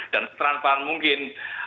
dan seteran seteran mungkin